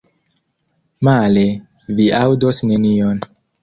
Male, vi aŭdos nenion.